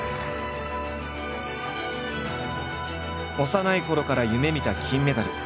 幼いころから夢みた金メダル。